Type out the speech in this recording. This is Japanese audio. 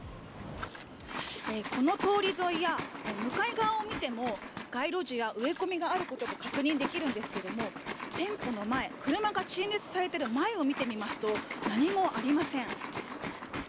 この通り沿いや向かい側を見ても街路樹や植え込みがあることが確認できるんですけれども店舗の前車が陳列されている前を見てみますと何もありません。